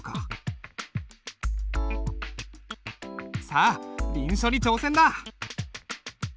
さあ臨書に挑戦だ！